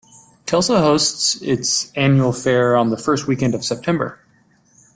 Kelso hosts its annual fair on the first weekend of September.